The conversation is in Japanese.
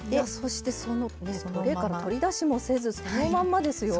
トレーから取り出しもせずそのまんまですよ。